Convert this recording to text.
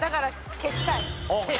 消したい！？